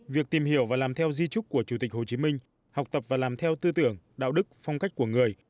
việc tìm hiểu và làm theo di trúc của chủ tịch hồ chí minh học tập và làm theo tư tưởng đạo đức phong cách của người